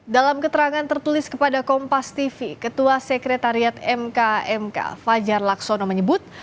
dalam keterangan tertulis kepada kompas tv ketua sekretariat mkmk fajar laksono menyebut